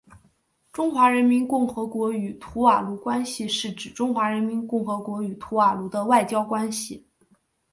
中华人民共和国与图瓦卢关系是指中华人民共和国与图瓦卢的外交关系。